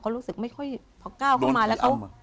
เขารู้สึกไม่ค่อยเพราะกล้าเขามาแล้วเขา